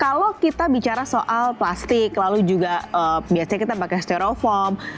kalau kita bicara soal plastik lalu juga biasanya kita pakai stereofoam